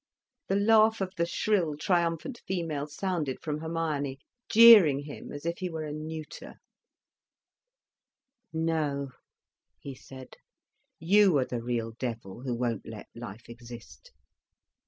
The laugh of the shrill, triumphant female sounded from Hermione, jeering him as if he were a neuter. "No," he said. "You are the real devil who won't let life exist."